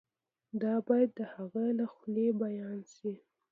دا باید د هغه له خولې بیان شي.